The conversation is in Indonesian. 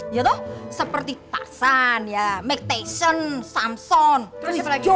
ya toh seperti tarzan ya magtation samson tris john